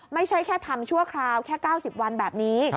ไม่ใช่แค่ทำชั่วคราวแค่๙๐วันแบบนี้